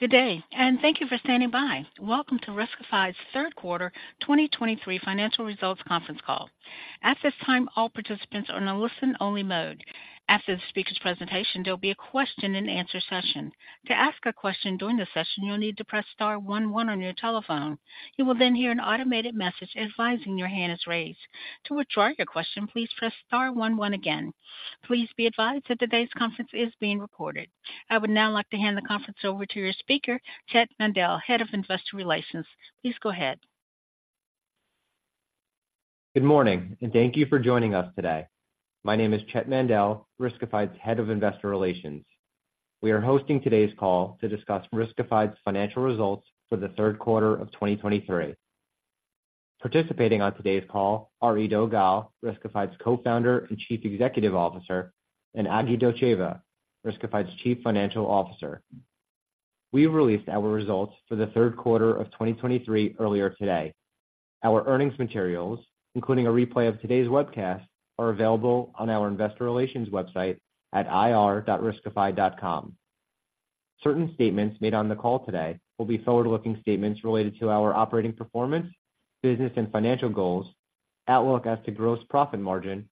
Good day, and thank you for standing by. Welcome to Riskified's third quarter 2023 financial results conference call. At this time, all participants are in a listen-only mode. After the speaker's presentation, there'll be a question-and-answer session. To ask a question during the session, you'll need to press star one one on your telephone. You will then hear an automated message advising your hand is raised. To withdraw your question, please press star one one again. Please be advised that today's conference is being recorded. I would now like to hand the conference over to your speaker, Chett Mandel, Head of Investor Relations. Please go ahead. Good morning, and thank you for joining us today. My name is Chett Mandel, Riskified's Head of Investor Relations. We are hosting today's call to discuss Riskified's financial results for the third quarter of 2023. Participating on today's call are Eido Gal, Riskified's Co-founder and Chief Executive Officer, and Agi Lertsivorakul, Riskified's Chief Financial Officer. We released our results for the third quarter of 2023 earlier today. Our earnings materials, including a replay of today's webcast, are available on our investor relations website at ir.riskified.com. Certain statements made on the call today will be forward-looking statements related to our operating performance, business and financial goals, outlook as to gross profit margin,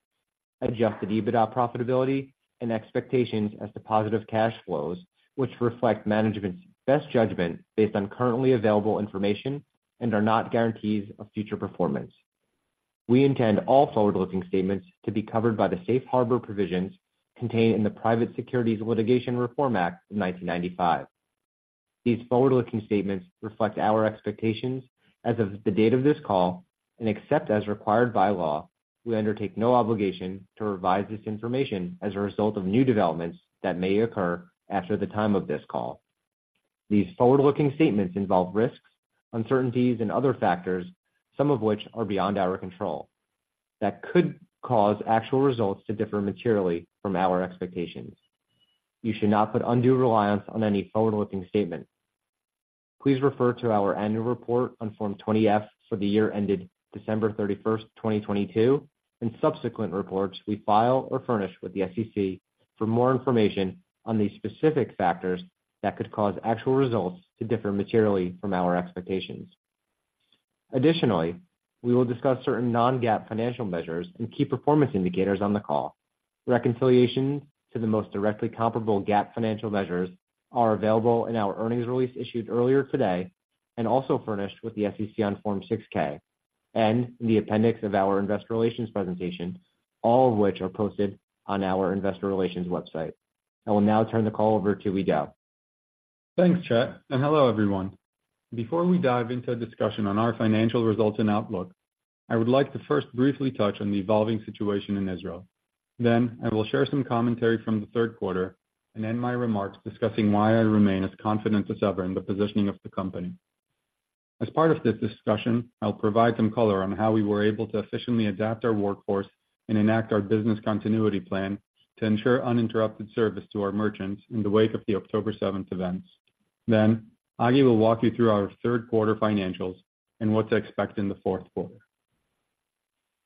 Adjusted EBITDA profitability, and expectations as to positive cash flows, which reflect management's best judgment based on currently available information and are not guarantees of future performance. We intend all forward-looking statements to be covered by the Safe Harbor Provisions contained in the Private Securities Litigation Reform Act of 1995. These forward-looking statements reflect our expectations as of the date of this call, and except as required by law, we undertake no obligation to revise this information as a result of new developments that may occur after the time of this call. These forward-looking statements involve risks, uncertainties, and other factors, some of which are beyond our control, that could cause actual results to differ materially from our expectations. You should not put undue reliance on any forward-looking statement. Please refer to our annual report on Form 20-F for the year ended December 31, 2022, and subsequent reports we file or furnish with the SEC for more information on these specific factors that could cause actual results to differ materially from our expectations. Additionally, we will discuss certain non-GAAP financial measures and key performance indicators on the call. Reconciliation to the most directly comparable GAAP financial measures are available in our earnings release issued earlier today, and also furnished with the SEC on Form 6-K and in the appendix of our investor relations presentation, all of which are posted on our investor relations website. I will now turn the call over to Eido. Thanks, Chett, and hello, everyone. Before we dive into a discussion on our financial results and outlook, I would like to first briefly touch on the evolving situation in Israel. Then I will share some commentary from the third quarter and end my remarks discussing why I remain as confident as ever in the positioning of the company. As part of this discussion, I'll provide some color on how we were able to efficiently adapt our workforce and enact our business continuity plan to ensure uninterrupted service to our merchants in the wake of the October 7th events. Then Agi will walk you through our third quarter financials and what to expect in the fourth quarter.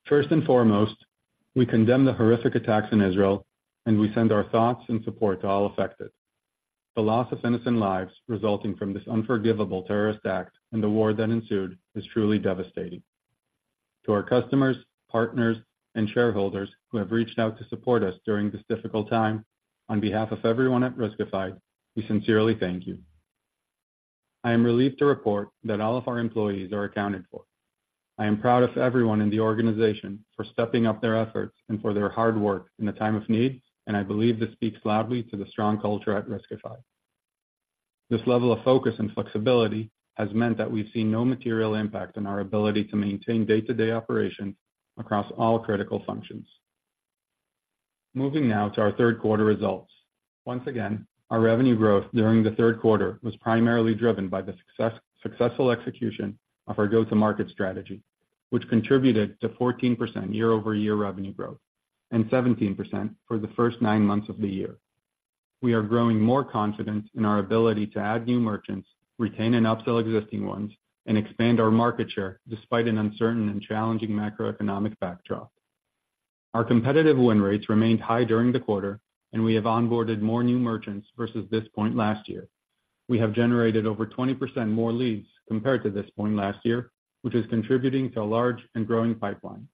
First and foremost, we condemn the horrific attacks in Israel, and we send our thoughts and support to all affected. The loss of innocent lives resulting from this unforgivable terrorist act and the war that ensued is truly devastating. To our customers, partners, and shareholders who have reached out to support us during this difficult time, on behalf of everyone at Riskified, we sincerely thank you. I am relieved to report that all of our employees are accounted for. I am proud of everyone in the organization for stepping up their efforts and for their hard work in a time of need, and I believe this speaks loudly to the strong culture at Riskified. This level of focus and flexibility has meant that we've seen no material impact on our ability to maintain day-to-day operations across all critical functions. Moving now to our third quarter results. Once again, our revenue growth during the third quarter was primarily driven by the successful execution of our go-to-market strategy, which contributed to 14% year-over-year revenue growth and 17% for the first nine months of the year. We are growing more confident in our ability to add new merchants, retain and upsell existing ones, and expand our market share despite an uncertain and challenging macroeconomic backdrop. Our competitive win rates remained high during the quarter, and we have onboarded more new merchants versus this point last year. We have generated over 20% more leads compared to this point last year, which is contributing to a large and growing pipeline.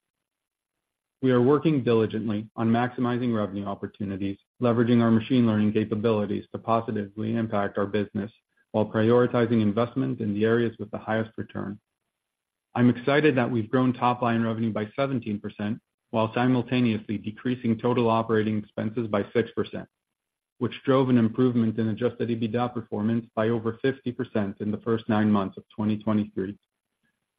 We are working diligently on maximizing revenue opportunities, leveraging our machine learning capabilities to positively impact our business while prioritizing investment in the areas with the highest return. I'm excited that we've grown top-line revenue by 17% while simultaneously decreasing total operating expenses by 6%, which drove an improvement in adjusted EBITDA performance by over 50% in the first nine months of 2023.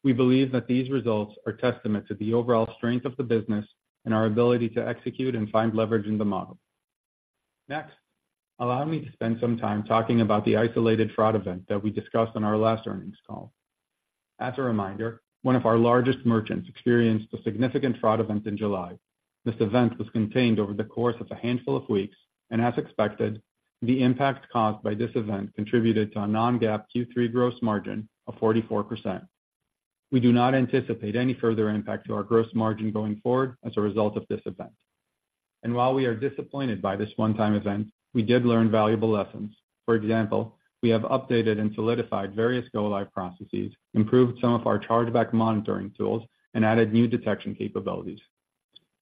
We believe that these results are testament to the overall strength of the business and our ability to execute and find leverage in the model. Next, allow me to spend some time talking about the isolated fraud event that we discussed on our last earnings call. As a reminder, one of our largest merchants experienced a significant fraud event in July. This event was contained over the course of a handful of weeks, and as expected, the impact caused by this event contributed to a non-GAAP Q3 gross margin of 44%. We do not anticipate any further impact to our gross margin going forward as a result of this event and while we are disappointed by this one-time event, we did learn valuable lessons. For example, we have updated and solidified various go-live processes, improved some of our chargeback monitoring tools, and added new detection capabilities.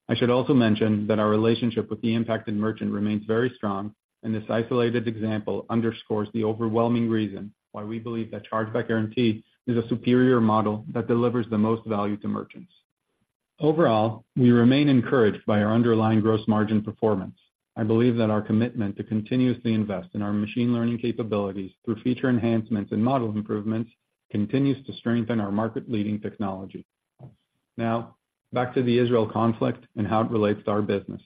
I should also mention that our relationship with the impacted merchant remains very strong, and this isolated example underscores the overwhelming reason why we believe that Chargeback Guarantee is a superior model that delivers the most value to merchants. Overall, we remain encouraged by our underlying gross margin performance. I believe that our commitment to continuously invest in our Machine Learning capabilities through feature enhancements and model improvements, continues to strengthen our market-leading technology. Now, back to the Israel conflict and how it relates to our business.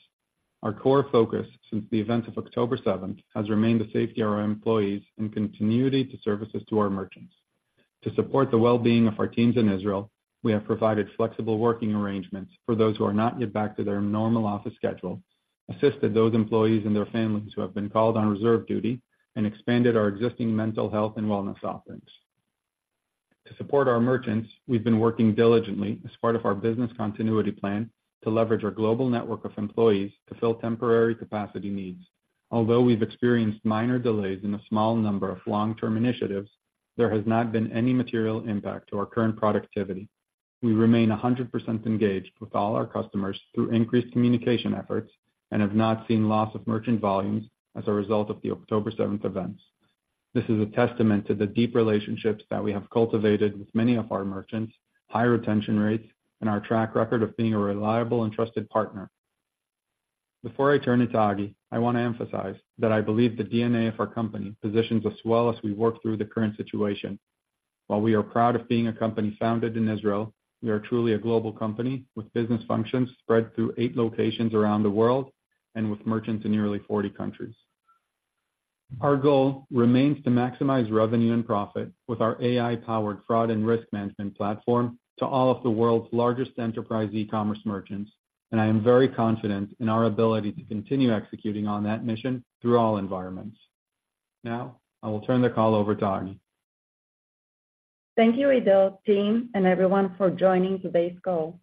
Our core focus since the events of October 7th, has remained the safety of our employees and continuity to services to our merchants. To support the well-being of our teams in Israel, we have provided flexible working arrangements for those who are not yet back to their normal office schedule, assisted those employees and their families who have been called on reserve duty, and expanded our existing mental health and wellness offerings. To support our merchants, we've been working diligently as part of our business continuity plan, to leverage our global network of employees to fill temporary capacity needs. Although we've experienced minor delays in a small number of long-term initiatives, there has not been any material impact to our current productivity. We remain 100% engaged with all our customers through increased communication efforts, and have not seen loss of merchant volumes as a result of the October 7th events. This is a testament to the deep relationships that we have cultivated with many of our merchants, high retention rates, and our track record of being a reliable and trusted partner. Before I turn it to Agi, I want to emphasize that I believe the DNA of our company positions us well as we work through the current situation. While we are proud of being a company founded in Israel, we are truly a global company, with business functions spread through eight locations around the world, and with merchants in nearly forty countries. Our goal remains to maximize revenue and profit with our AI-powered fraud and risk management platform to all of the world's largest enterprise e-commerce merchants, and I am very confident in our ability to continue executing on that mission through all environments. Now, I will turn the call over to Agi. Thank you, Eido, team, and everyone, for joining today's call.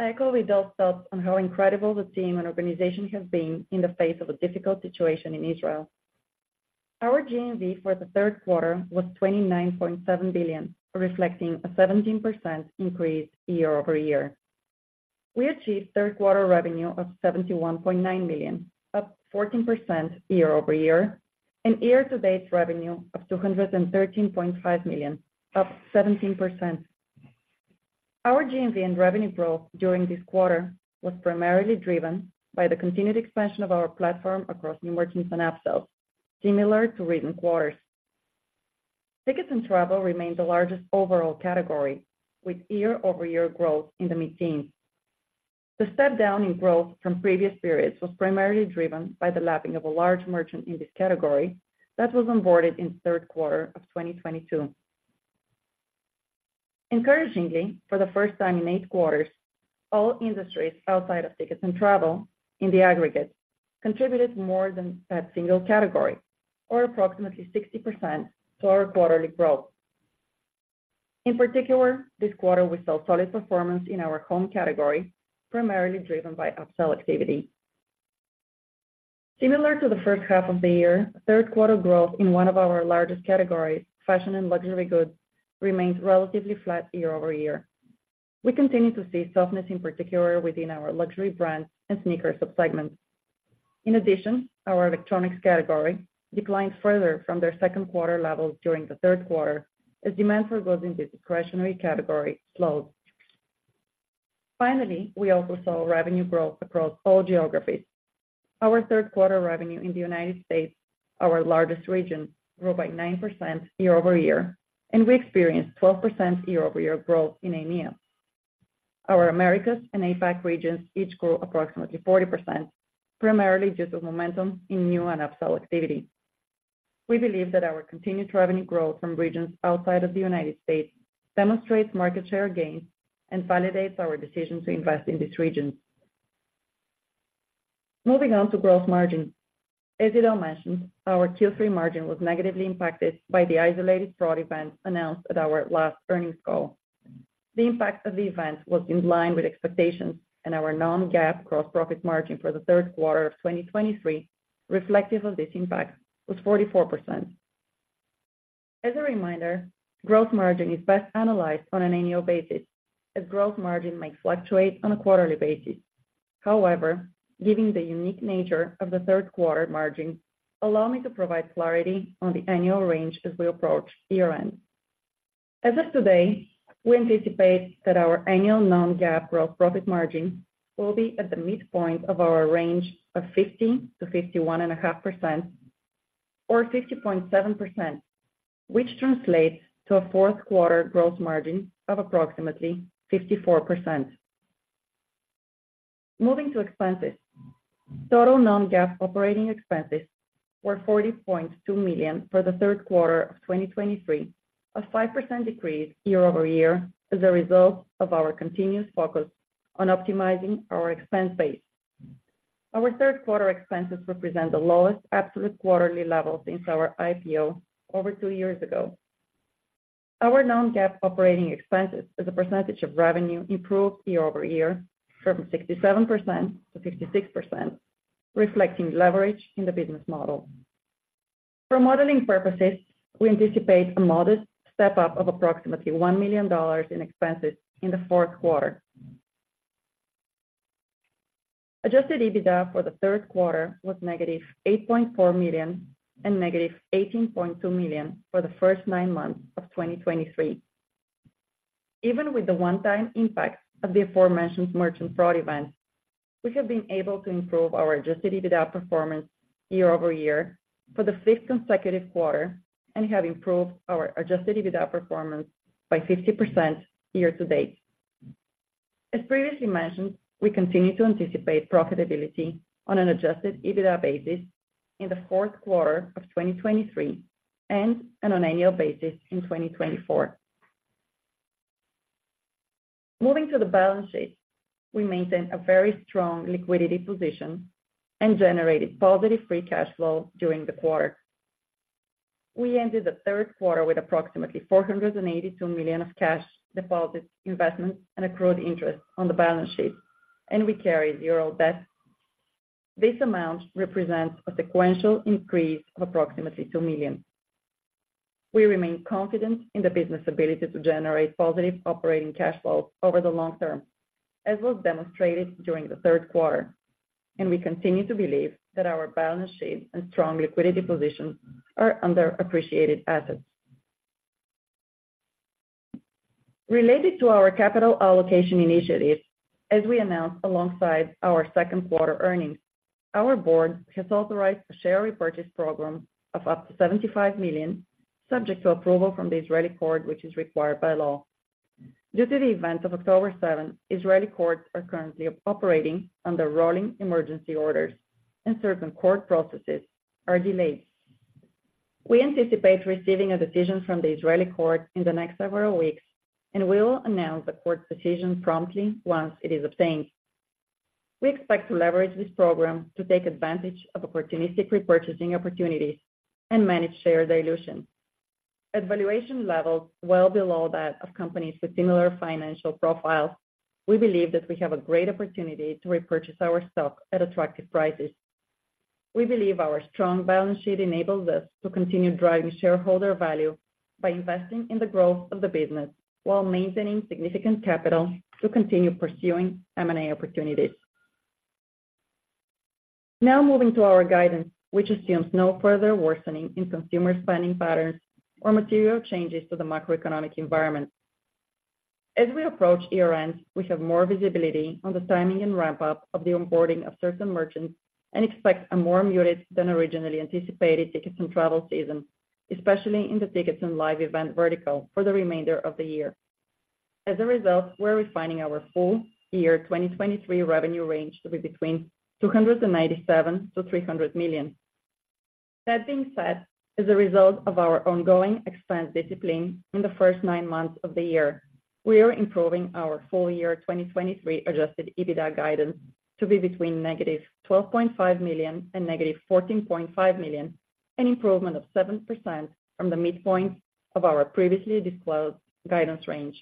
I echo Eido's thoughts on how incredible the team and organization have been in the face of a difficult situation in Israel. Our GMV for the third quarter was $29.7 billion, reflecting a 17% increase year-over-year. We achieved third quarter revenue of $71.9 million, up 14% year-over-year, and year-to-date revenue of $213.5 million, up 17%. Our GMV and revenue growth during this quarter was primarily driven by the continued expansion of our platform across new merchants and upsells, similar to recent quarters. Tickets and travel remained the largest overall category, with year-over-year growth in the mid-teens. The step down in growth from previous periods was primarily driven by the lapping of a large merchant in this category that was onboarded in the third quarter of 2022. Encouragingly, for the first time in eight quarters, all industries outside of tickets and travel, in the aggregate, contributed more than that single category, or approximately 60% to our quarterly growth. In particular, this quarter, we saw solid performance in our home category, primarily driven by upsell activity. Similar to the first half of the year, third quarter growth in one of our largest categories, fashion and luxury goods, remained relatively flat year-over-year. We continue to see softness, in particular, within our luxury brand and sneaker subsegments. In addition, our electronics category declined further from their second quarter levels during the third quarter, as demand for goods in this discretionary category slowed. Finally, we also saw revenue growth across all geographies. Our third quarter revenue in the United States, our largest region, grew by 9% year-over-year, and we experienced 12% year-over-year growth in EMEA. Our Americas and APAC regions each grew approximately 40%, primarily due to momentum in new and upsell activity. We believe that our continued revenue growth from regions outside of the United States demonstrates market share gains and validates our decision to invest in these regions. Moving on to gross margin. As Eido mentioned, our Q3 margin was negatively impacted by the isolated fraud event announced at our last earnings call. The impact of the event was in line with expectations, and our non-GAAP gross profit margin for the third quarter of 2023, reflective of this impact, was 44%. As a reminder, gross margin is best analyzed on an annual basis, as gross margin may fluctuate on a quarterly basis. However, given the unique nature of the third quarter margin, allow me to provide clarity on the annual range as we approach year-end. As of today, we anticipate that our annual non-GAAP gross profit margin will be at the midpoint of our range of 50%-51.5%, or 50.7%, which translates to a fourth quarter gross margin of approximately 54%. Moving to expenses. Total non-GAAP operating expenses were $40.2 million for the third quarter of 2023, a 5% decrease year-over-year, as a result of our continuous focus on optimizing our expense base. Our third quarter expenses represent the lowest absolute quarterly level since our IPO over two years ago. Our non-GAAP operating expenses as a percentage of revenue improved year-over-year from 67%-56%, reflecting leverage in the business model. For modeling purposes, we anticipate a modest step-up of approximately $1 million in expenses in the fourth quarter. Adjusted EBITDA for the third quarter was -$8.4 million and -$18.2 million for the first nine months of 2023. Even with the one-time impact of the aforementioned merchant fraud event, we have been able to improve our adjusted EBITDA performance year-over-year for the fifth consecutive quarter and have improved our adjusted EBITDA performance by 50% year to date. As previously mentioned, we continue to anticipate profitability on an adjusted EBITDA basis in the fourth quarter of 2023 and on an annual basis in 2024. Moving to the balance sheet, we maintain a very strong liquidity position and generated positive free cash flow during the quarter. We ended the third quarter with approximately $482 million of cash deposits, investments, and accrued interest on the balance sheet, and we carry $0 debt. This amount represents a sequential increase of approximately $2 million. We remain confident in the business ability to generate positive operating cash flows over the long term, as was demonstrated during the third quarter, and we continue to believe that our balance sheet and strong liquidity position are underappreciated assets. Related to our capital allocation initiatives, as we announced alongside our second quarter earnings, our board has authorized a share repurchase program of up to $75 million, subject to approval from the Israeli court, which is required by law. Due to the events of October 7th, Israeli courts are currently operating under rolling emergency orders and certain court processes are delayed. We anticipate receiving a decision from the Israeli court in the next several weeks, and we will announce the court's decision promptly once it is obtained. We expect to leverage this program to take advantage of opportunistic repurchasing opportunities and manage share dilution. At valuation levels well below that of companies with similar financial profiles, we believe that we have a great opportunity to repurchase our stock at attractive prices. We believe our strong balance sheet enables us to continue driving shareholder value by investing in the growth of the business, while maintaining significant capital to continue pursuing M&A opportunities. Now moving to our guidance, which assumes no further worsening in consumer spending patterns or material changes to the macroeconomic environment. As we approach year-end, we have more visibility on the timing and ramp-up of the onboarding of certain merchants and expect a more muted than originally anticipated tickets and travel season, especially in the tickets and live event vertical for the remainder of the year. As a result, we're refining our full year 2023 revenue range to be between $297 million-$300 million. That being said, as a result of our ongoing expense discipline in the first nine months of the year, we are improving our full year 2023 Adjusted EBITDA guidance to be between -$12.5 million and -$14.5 million, an improvement of 7% from the midpoint of our previously disclosed guidance range.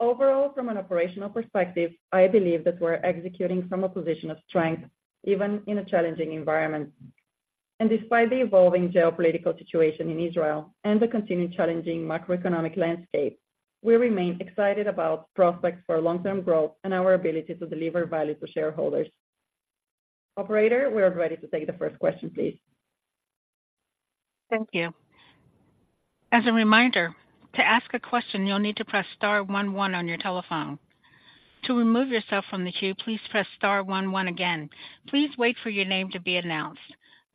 Overall, from an operational perspective, I believe that we're executing from a position of strength, even in a challenging environment. And despite the evolving geopolitical situation in Israel and the continued challenging macroeconomic landscape, we remain excited about prospects for long-term growth and our ability to deliver value to shareholders. Operator, we are ready to take the first question, please. Thank you. As a reminder, to ask a question, you'll need to press star one one on your telephone. To remove yourself from the queue, please press star one one again. Please wait for your name to be announced.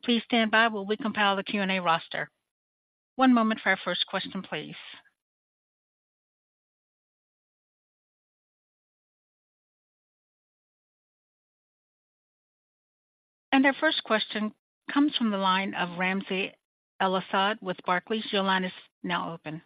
Please stand by while we compile the Q&A roster. One moment for our first question, please. Our first question comes from the line of Ramsey El-Assal with Barclays. Your line is now open.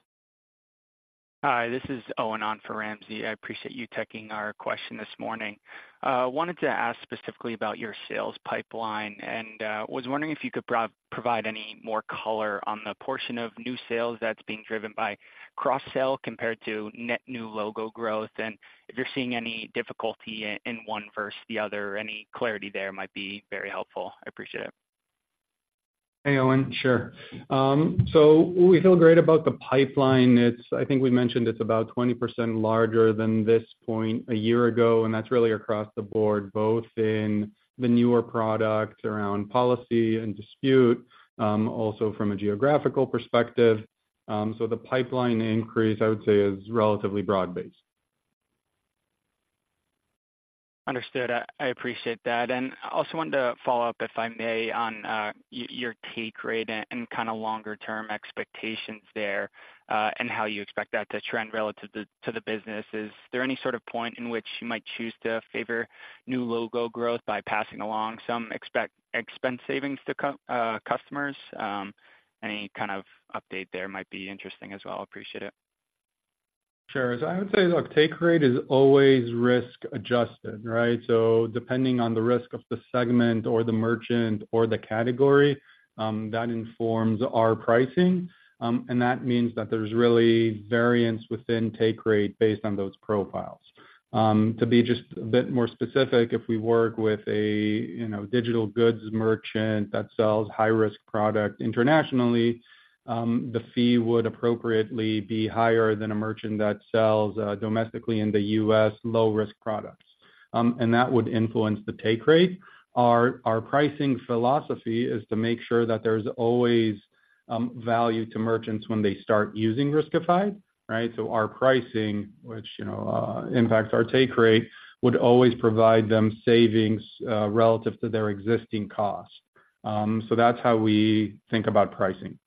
Hi, this is Owen on for Ramsey. I appreciate you taking our question this morning. Wanted to ask specifically about your sales pipeline, and was wondering if you could provide any more color on the portion of new sales that's being driven by cross-sell compared to net new logo growth, and if you're seeing any difficulty in one versus the other. Any clarity there might be very helpful. I appreciate it. Hey, Owen. Sure. So we feel great about the pipeline. It's. I think we mentioned it's about 20% larger than this point a year ago, and that's really across the board, both in the newer products around policy and dispute, also from a geographical perspective. So the pipeline increase, I would say, is relatively broad-based. Understood. I appreciate that. I also wanted to follow up, if I may, on your take rate and kind of longer term expectations there, and how you expect that to trend relative to the business. Is there any sort of point in which you might choose to favor new logo growth by passing along some expected expense savings to customers? Any kind of update there might be interesting as well. I appreciate it. Sure. So I would say, look, take rate is always risk-adjusted, right? So depending on the risk of the segment or the merchant or the category, that informs our pricing. And that means that there's really variance within take rate based on those profiles. To be just a bit more specific, if we work with a, you know, digital goods merchant that sells high-risk product internationally, the fee would appropriately be higher than a merchant that sells, domestically in the U.S., low-risk products. And that would influence the take rate. Our, our pricing philosophy is to make sure that there's always, value to merchants when they start using Riskified, right? So our pricing, which, you know, impacts our take rate, would always provide them savings, relative to their existing costs. So that's how we think about pricing.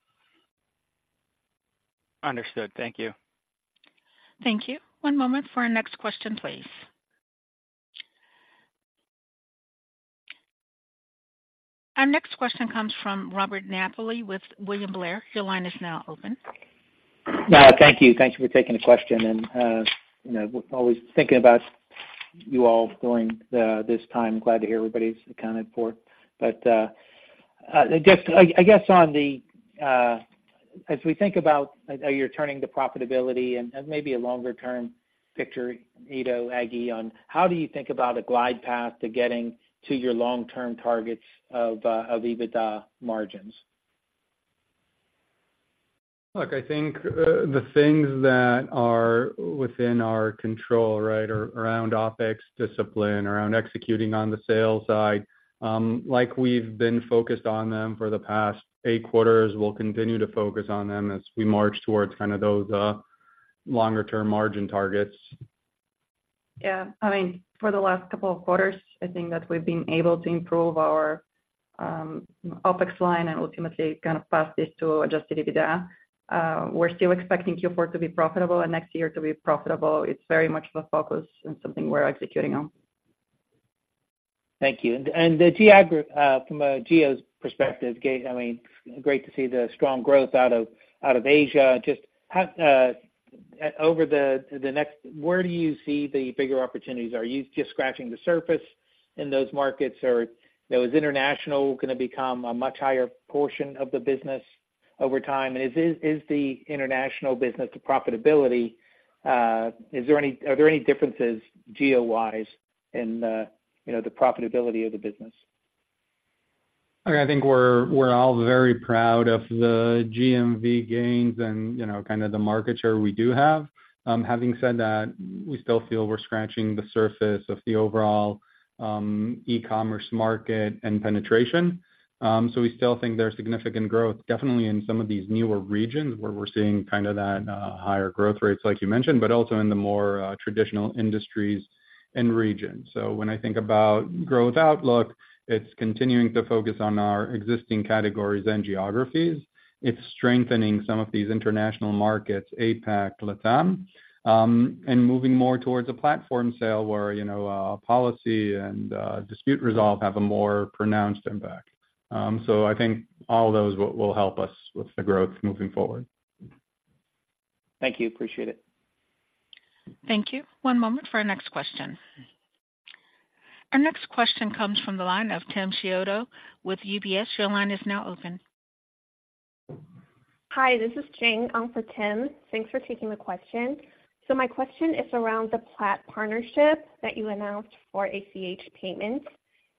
Understood. Thank you. Thank you. One moment for our next question, please. Our next question comes from Robert Napoli with William Blair. Your line is now open. Thank you. Thank you for taking the question, and, you know, we're always thinking about you all during this time. Glad to hear everybody's accounted for. But, just, I guess on the, as we think about how you're turning to profitability and, and maybe a longer-term picture, Eido, Agi, on how do you think about a glide path to getting to your long-term targets of EBITDA margins? Look, I think, the things that are within our control, right, are around OpEx discipline, around executing on the sales side. Like we've been focused on them for the past eight quarters, we'll continue to focus on them as we march towards kind of those longer-term margin targets. Yeah. I mean, for the last couple of quarters, I think that we've been able to improve our OpEx line and ultimately kind of pass this to adjusted EBITDA. We're still expecting Q4 to be profitable and next year to be profitable. It's very much the focus and something we're executing on. Thank you. And the growth, from a geo perspective, I mean, great to see the strong growth out of Asia. Just, how over the next, where do you see the bigger opportunities? Are you just scratching the surface in those markets, or, you know, is international going to become a much higher portion of the business over time? And is the international business as profitable? Are there any differences geo-wise in, you know, the profitability of the business? Okay, I think we're all very proud of the GMV gains and, you know, kind of the market share we do have. Having said that, we still feel we're scratching the surface of the overall e-commerce market and penetration. So we still think there's significant growth, definitely in some of these newer regions, where we're seeing kind of that higher growth rates like you mentioned, but also in the more traditional industries and regions. So when I think about growth outlook, it's continuing to focus on our existing categories and geographies. It's strengthening some of these international markets, APAC, LATAM, and moving more towards a platform sale where, you know, Policy and Dispute Resolve have a more pronounced impact. So I think all those will help us with the growth moving forward. Thank you. Appreciate it. Thank you. One moment for our next question. Our next question comes from the line of Tim Chiodo with UBS. Your line is now open. Hi, this is Jane on for Tim. Thanks for taking the question. My question is around the Plaid partnership that you announced for ACH Payments.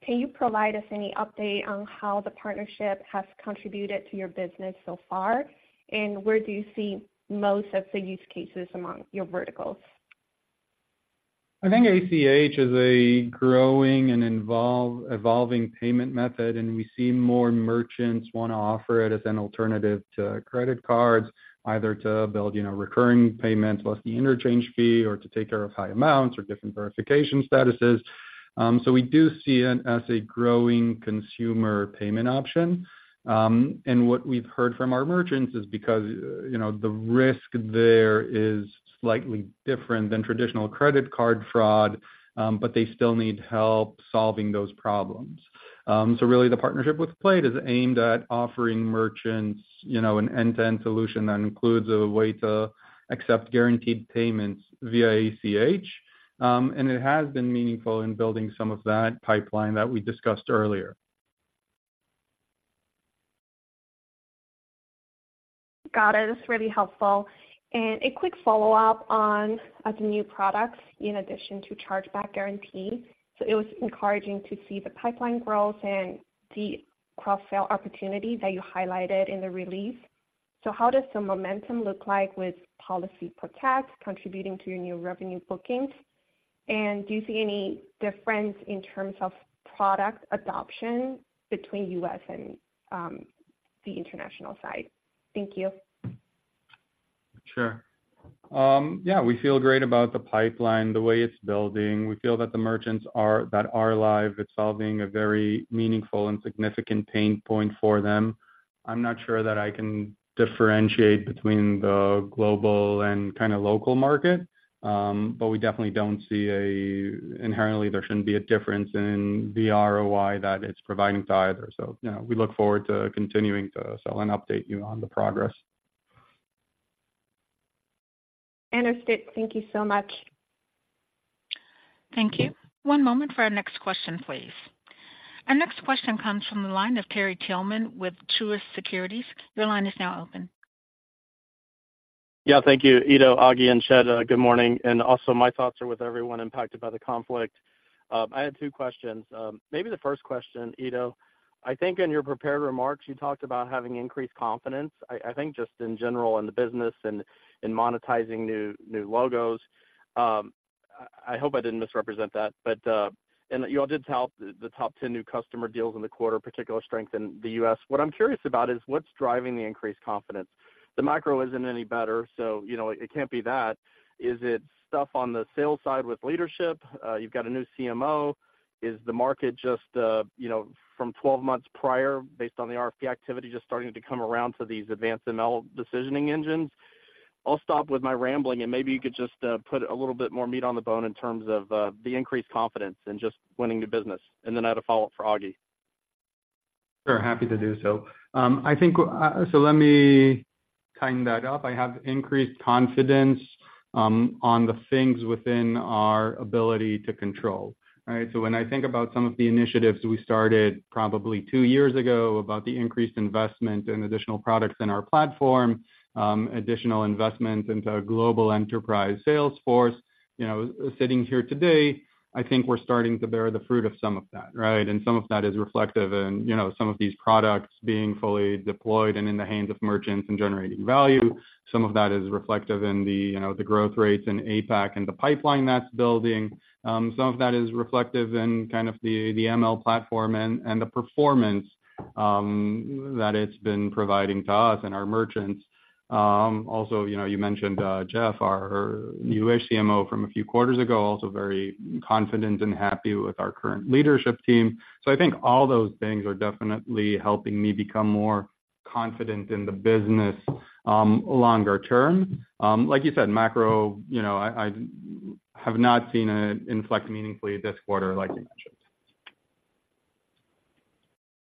Can you provide us any update on how the partnership has contributed to your business so far? And where do you see most of the use cases among your verticals? I think ACH is a growing and evolving payment method, and we see more merchants want to offer it as an alternative to credit cards, either to build, you know, recurring payments plus the interchange fee, or to take care of high amounts or different verification statuses. So we do see it as a growing consumer payment option. And what we've heard from our merchants is because, you know, the risk there is slightly different than traditional credit card fraud, but they still need help solving those problems. So really the partnership with Plaid is aimed at offering merchants, you know, an end-to-end solution that includes a way to accept guaranteed payments via ACH. And it has been meaningful in building some of that pipeline that we discussed earlier. Got it. It's really helpful. And a quick follow-up on the new products in addition to Chargeback Guarantee. So it was encouraging to see the pipeline growth and the cross-sell opportunity that you highlighted in the release. So how does the momentum look like with Policy Protect contributing to your new revenue bookings? And do you see any difference in terms of product adoption between U.S. and the international side? Thank you. Sure. Yeah, we feel great about the pipeline, the way it's building. We feel that the merchants that are live, it's solving a very meaningful and significant pain point for them. I'm not sure that I can differentiate between the global and kind of local market. But we definitely don't see inherently, there shouldn't be a difference in the ROI that it's providing to either. So, you know, we look forward to continuing to sell and update you on the progress. Understood. Thank you so much. Thank you. One moment for our next question, please. Our next question comes from the line of Terry Tillman with Truist Securities. Your line is now open. Yeah, thank you. Eido, Agi, and Chett, good morning, and also, my thoughts are with everyone impacted by the conflict. I had two questions. Maybe the first question, Eido, I think in your prepared remarks, you talked about having increased confidence. I, I think just in general in the business and, and monetizing new, new logos. I hope I didn't misrepresent that, but, and you all did tell the top 10 new customer deals in the quarter, particular strength in the U.S.. What I'm curious about is what's driving the increased confidence? The macro isn't any better, so you know, it can't be that. Is it stuff on the sales side with leadership? You've got a new CMO. Is the market just, you know, from 12 months prior, based on the RFP activity, just starting to come around to these advanced ML decisioning engines? I'll stop with my rambling, and maybe you could just put a little bit more meat on the bone in terms of the increased confidence in just winning new business. And then I had a follow-up for Agi. Sure, happy to do so. I think, so let me tighten that up. I have increased confidence on the things within our ability to control, right? So when I think about some of the initiatives we started probably two years ago, about the increased investment in additional products in our platform, additional investment into a global enterprise sales force, you know, sitting here today, I think we're starting to bear the fruit of some of that, right? And some of that is reflective in, you know, some of these products being fully deployed and in the hands of merchants and generating value. Some of that is reflective in the, you know, the growth rates in APAC and the pipeline that's building. Some of that is reflective in kind of the ML platform and the performance that it's been providing to us and our merchants. Also, you know, you mentioned Jeff, our new CMO from a few quarters ago, also very confident and happy with our current leadership team. So I think all those things are definitely helping me become more confident in the business longer term. Like you said, macro, you know, I have not seen it inflect meaningfully this quarter, like you mentioned.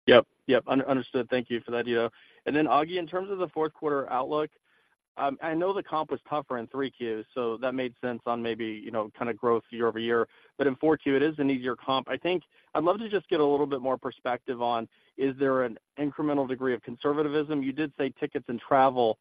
Yep. Yep, understood. Thank you for that, Eido. Then, Agi, in terms of the fourth quarter outlook, I know the comp was tougher in 3Qs, so that made sense on maybe, you know, kind of growth year-over-year. But in Q4, it is an easier comp. I think I'd love to just get a little bit more perspective on, is there an incremental degree of conservativism? You did say tickets and travel,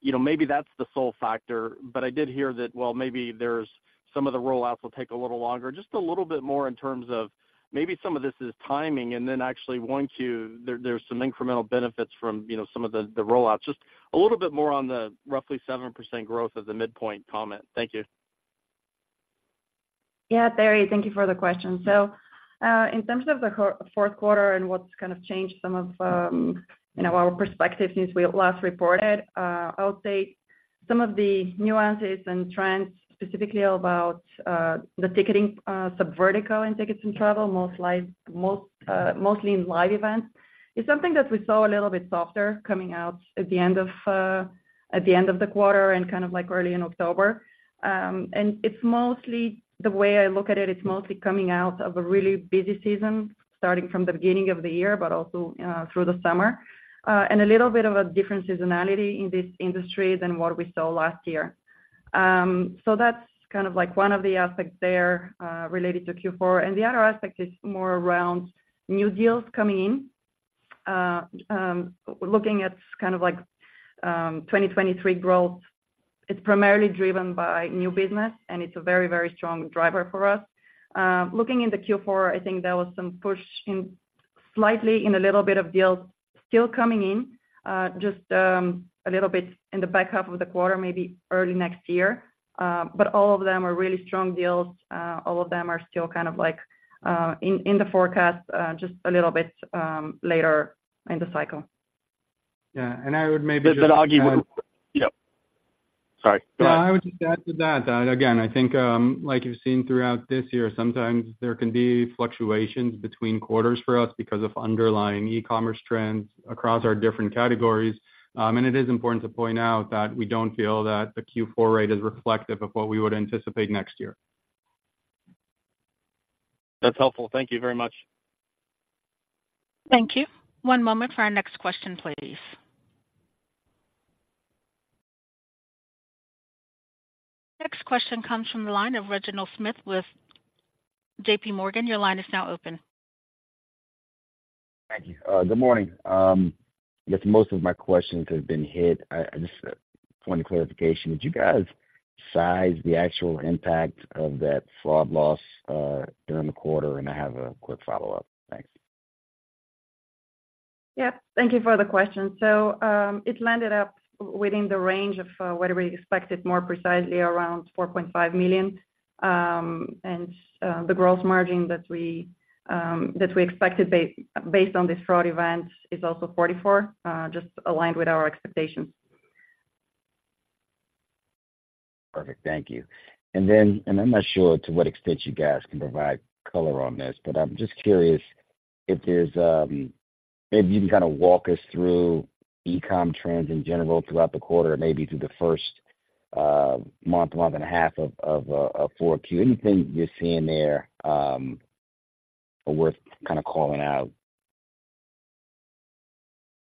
you know, maybe that's the sole factor, but I did hear that, well, maybe there's some of the rollouts will take a little longer. Just a little bit more in terms of maybe some of this is timing, and then actually, once you're there, there's some incremental benefits from, you know, some of the, the rollouts. Just a little bit more on the roughly 7% growth of the midpoint comment. Thank you. Yeah, Terry, thank you for the question. So, in terms of the fourth quarter and what's kind of changed some of, you know, our perspective since we last reported, I would say some of the nuances and trends, specifically about the ticketing subvertical in tickets and travel, mostly in live events, is something that we saw a little bit softer coming out at the end of the quarter and kind of like early in October. And it's mostly, the way I look at it, it's mostly coming out of a really busy season, starting from the beginning of the year, but also through the summer, and a little bit of a different seasonality in this industry than what we saw last year. So that's kind of like one of the aspects there related to Q4. And the other aspect is more around new deals coming in. Looking at kind of like 2023 growth, it's primarily driven by new business, and it's a very, very strong driver for us. Looking into Q4, I think there was some push in, slightly, a little bit of deals still coming in, just a little bit in the back half of the quarter, maybe early next year. But all of them are really strong deals. All of them are still kind of like in the forecast, just a little bit later in the cycle. Yeah, and I would maybe just- But Agi, yeah. Sorry, go ahead. Yeah, I would just add to that, that again, I think, like you've seen throughout this year, sometimes there can be fluctuations between quarters for us because of underlying e-commerce trends across our different categories. And it is important to point out that we don't feel that the Q4 rate is reflective of what we would anticipate next year. That's helpful. Thank you very much. Thank you. One moment for our next question, please. Next question comes from the line of Reginald Smith with JPMorgan. Your line is now open. Thank you. Good morning. I guess most of my questions have been hit. I just want a clarification. Did you guys size the actual impact of that fraud loss during the quarter? And I have a quick follow-up. Thanks. Yeah, thank you for the question. So, it landed up within the range of what we expected, more precisely, around $4.5 million. And, the growth margin that we expected based on this fraud event is also 44%, just aligned with our expectations. Perfect. Thank you. And then, I'm not sure to what extent you guys can provide color on this, but I'm just curious if there's maybe you can kind of walk us through e-com trends in general throughout the quarter, maybe through the first month and a half of 4Q. Anything you're seeing there worth kind of calling out?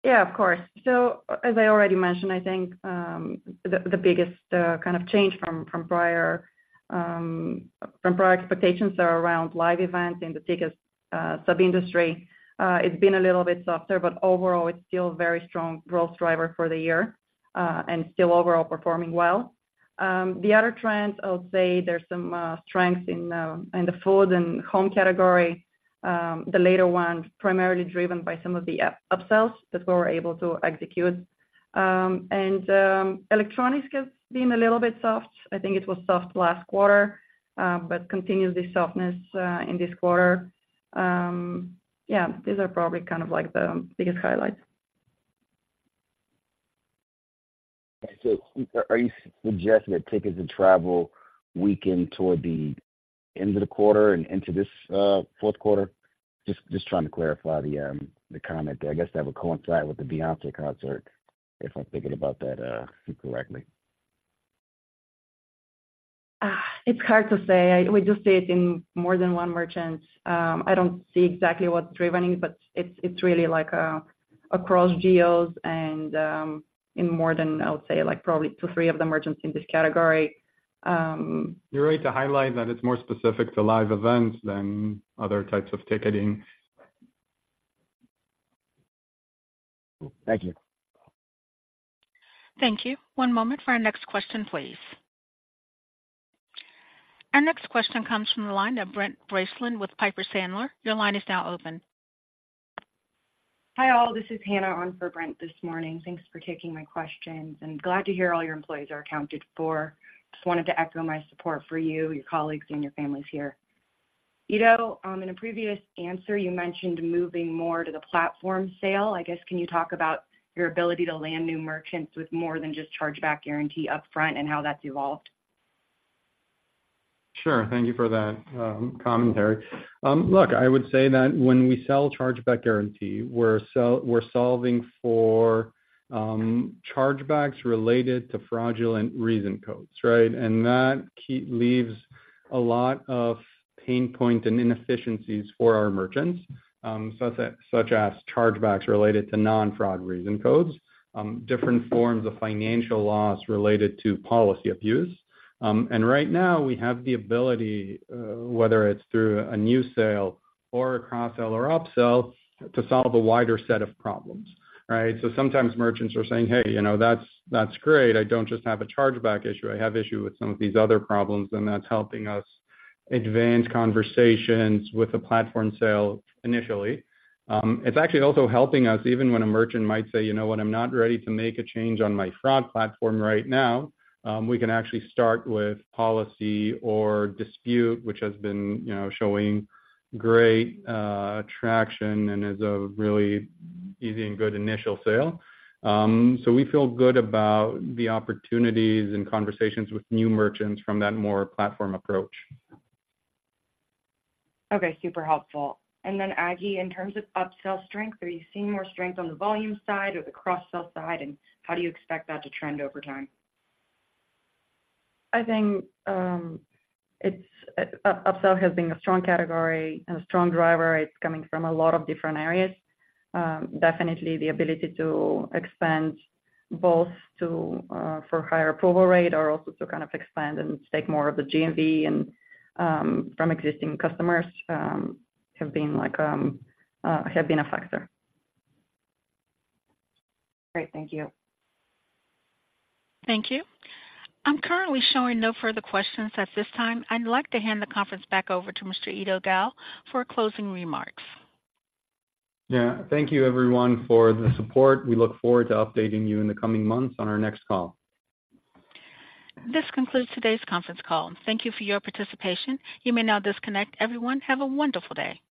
Yeah, of course. So as I already mentioned, I think, the biggest kind of change from prior expectations are around live events in the tickets sub-industry. It's been a little bit softer, but overall, it's still a very strong growth driver for the year, and still overall performing well. The other trends, I would say there's some strength in the food and home category. The latter one primarily driven by some of the upsells that we were able to execute. And electronics has been a little bit soft. I think it was soft last quarter, but continues the softness in this quarter. Yeah, these are probably kind of like the biggest highlights. Are you suggesting that tickets and travel weakened toward the end of the quarter and into this fourth quarter? Just, just trying to clarify the, the comment. I guess that would coincide with the Beyoncé concert, if I'm thinking about that, correctly. It's hard to say. We just see it in more than one merchant. I don't see exactly what's driving it, but it's really like across geos and in more than I would say like probably two, three of the merchants in this category, You're right to highlight that it's more specific to live events than other types of ticketing. Thank you. Thank you. One moment for our next question, please. Our next question comes from the line of Brent Bracelin with Piper Sandler. Your line is now open. Hi, all. This is Hannah on for Brent this morning. Thanks for taking my questions, and glad to hear all your employees are accounted for. Just wanted to echo my support for you, your colleagues, and your families here. Eido, in a previous answer, you mentioned moving more to the platform sale. I guess, can you talk about your ability to land new merchants with more than just Chargeback Guarantee up front and how that's evolved? Sure. Thank you for that commentary. Look, I would say that when we sell Chargeback Guarantee, we're solving for Chargebacks related to fraudulent reason codes, right? And that leaves a lot of pain point and inefficiencies for our merchants, such as chargebacks related to non-fraud reason codes, different forms of financial loss related to policy abuse. And right now we have the ability, whether it's through a new sale or a cross-sell or upsell, to solve a wider set of problems, right? So sometimes merchants are saying, "Hey, you know, that's great. I don't just have a chargeback issue. I have issue with some of these other problems," and that's helping us advance conversations with a platform sale initially. It's actually also helping us, even when a merchant might say, "You know what? I'm not ready to make a change on my fraud platform right now," we can actually start with policy or dispute, which has been, you know, showing great traction and is a really easy and good initial sale. So we feel good about the opportunities and conversations with new merchants from that more platform approach. Okay, super helpful. And then, Agi, in terms of upsell strength, are you seeing more strength on the volume side or the cross-sell side, and how do you expect that to trend over time? I think it's upsell has been a strong category and a strong driver. It's coming from a lot of different areas. Definitely the ability to expand both to for higher approval rate or also to kind of expand and take more of the GMV and from existing customers have been like have been a factor. Great. Thank you. Thank you. I'm currently showing no further questions at this time. I'd like to hand the conference back over to Mr. Eido Gal for closing remarks. Yeah. Thank you everyone for the support. We look forward to updating you in the coming months on our next call. This concludes today's conference call. Thank you for your participation. You may now disconnect. Everyone, have a wonderful day.